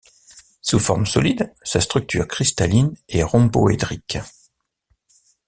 Sous forme solide, sa structure cristalline est rhomboédrique.